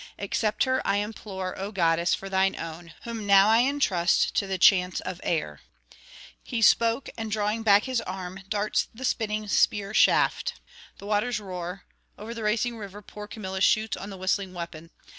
Accept her, I implore, O goddess, for thine own, whom now I entrust to the chance of air." He spoke, and drawing back his arm, darts the spinning spear shaft: the waters roar: over the racing river poor Camilla shoots on the whistling weapon.